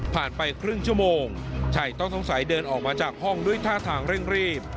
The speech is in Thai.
ไปครึ่งชั่วโมงชายต้องสงสัยเดินออกมาจากห้องด้วยท่าทางเร่งรีบ